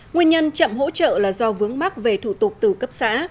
nguyên nhân chậm hỗ trợ là do vướng mắc về thủ tục từ cấp xã